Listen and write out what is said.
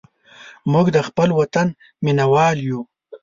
موږ د خپل وطن مینهوال یو.